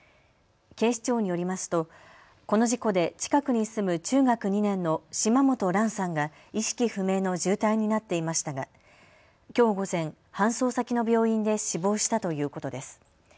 警視庁によりますとこの事故で近くに住む中学２年の島本蘭さんが意識不明の重体になっていましたがきょう午前、搬送先の病院で死亡したということです。